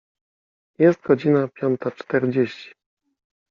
Jest godzina piąta czterdzieści.